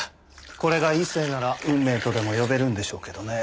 これが異性なら運命とでも呼べるんでしょうけどね。